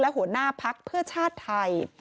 หัวหน้าพักเพื่อชาติไทย